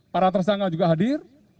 para tersangka juga hadir